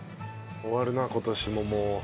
終わるな今年ももう。